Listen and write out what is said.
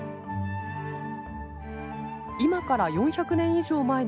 今から４００年以上前の戦国時代。